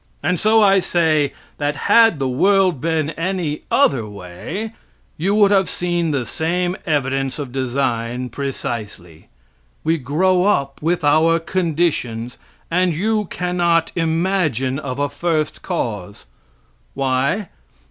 And so I say, that had the world been any other way, you would have seen the same evidence of design, precisely. We grow up with our conditions, and you cannot imagine of a first cause. Why?